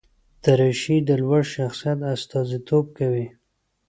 دریشي د لوړ شخصیت استازیتوب کوي.